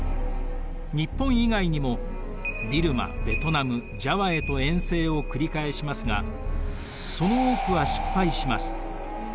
日本以外にもビルマベトナムジャワへと遠征を繰り返しますがその多くは失敗します。